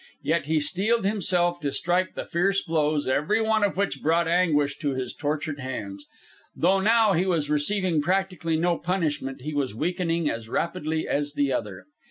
Yet he steeled himself to strike the fierce blows, every one of which brought anguish to his tortured hands. Though now he was receiving practically no punishment, he was weakening as rapidly as the other.